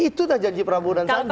itu dah janji prabowo dan sandi